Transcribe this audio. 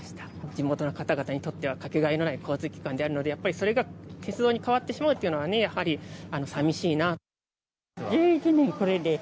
地元の方々にとってはかけがえのない交通機関であるのでやっぱりそれが鉄道に代わってしまうっていうのはね寂しいです。